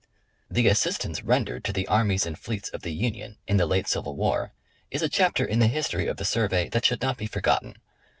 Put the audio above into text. The assistance rendered to the armies and fleets of the Union, in the late Civil War, is a chapter in the history of the Survey that should not be forgotten.